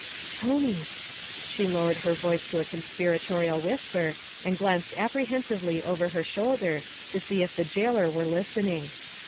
'Tony!' She lowered her voice to a conspiratorial whisper and glanced apprehensively over her shoulder to see if the jailor were listening.